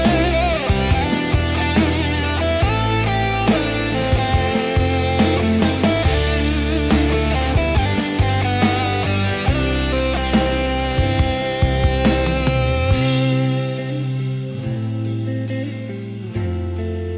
เพลงที่นะครับ